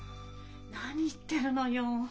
何言ってるのよ。